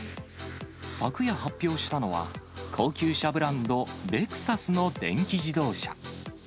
昨夜発表したのは、高級車ブランド、レクサスの電気自動車。